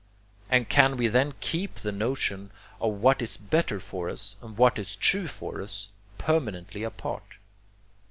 And can we then keep the notion of what is better for us, and what is true for us, permanently apart?